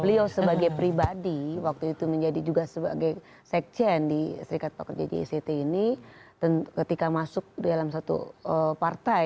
beliau sebagai pribadi waktu itu menjadi juga sebagai sekjen di serikat pekerja jict ini ketika masuk dalam satu partai